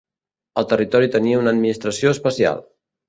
El territori tenia una administració especial.